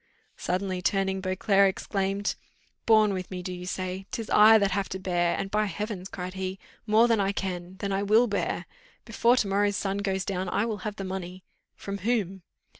Suddenly turning, Beauclerc exclaimed, "Borne with me, do you say? 'Tis I that have to bear and by heavens!" cried he, "more than I can than I will bear. Before to morrow's sun goes down I will have the money." "From whom?"